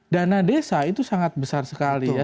dana desa itu sangat besar sekali ya